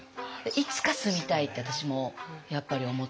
いつか住みたいって私もやっぱり思ってて。